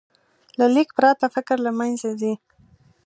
له لیک پرته، فکر له منځه ځي.